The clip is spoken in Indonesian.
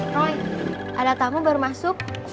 roy ada tamu baru masuk